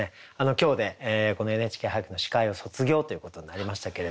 今日でこの「ＮＨＫ俳句」の司会を卒業ということになりましたけれども。